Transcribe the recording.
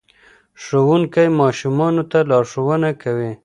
ښوونکی ماشومانو ته لارښوونه کوي.